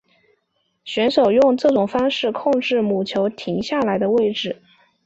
选手用这种方式控制母球停下来的位置。